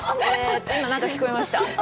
今、何か聞こえました。